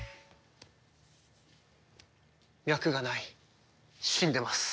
脈がない死んでます。